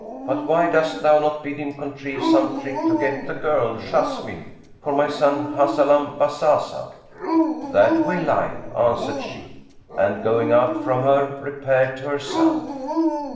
But why dost thou not bid him contrive some trick to get the girl Jessamine for my son Hahzalam Bazazah?" "That will I," answered she and, going out from her, repaired to her son.